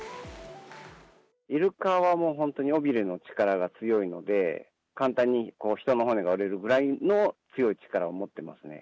イルカはもう本当に尾びれの力が強いので、簡単に人の骨が折れるぐらいの強い力を持ってますね。